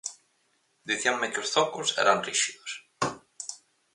Dicíanme que os zocos eran ríxidos.